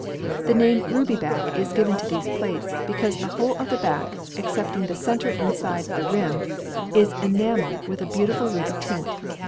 The name ruby back is given to these plates because the whole of the back, excepting the centre inside the rim, is enamel with a beautiful ruby tint.